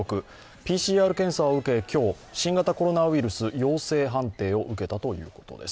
ＰＣＲ検査を受け、今日、新型コロナウイルス陽性判定を受けたということです。